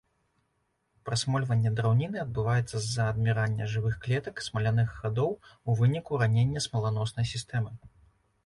Прасмольванне драўніны адбываецца з-за адмірання жывых клетак, смаляных хадоў у выніку ранення смаланоснай сістэмы.